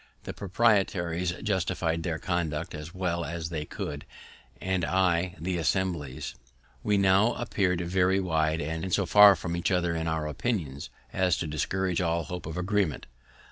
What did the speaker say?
The proprietaries justify'd their conduct as well as they could, and I the Assembly's. We now appeared very wide, and so far from each other in our opinions as to discourage all hope of agreement.